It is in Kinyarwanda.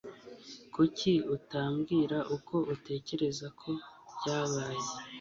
Kuki utambwira uko utekereza ko byabaye?